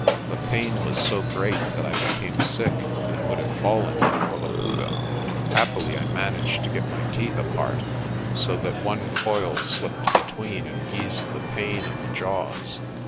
The pain was so great that I became sick and would have fallen but for Laputa. Happily I managed to get my teeth apart, so that one coil slipped between, and eased the pain of the jaws.